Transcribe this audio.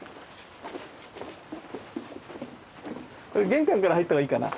玄関から入ったほうがいいかな？